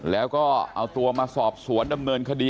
แล้วก็เอาตัวมาสอบสวนดำเนินคดี